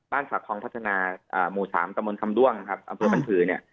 บ้านสาของพัฒนาหมู่๓ตะมนต์คำร่วงครับอันตรวจบันทือเนี่ย